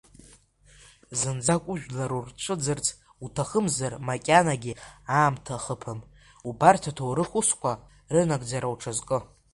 Зынӡак ужәлар урцәыӡырц уҭахымзар, макьанагьы аамҭа ахыԥам, убарт аҭоурых усқуа рынагӡара уҽазкы!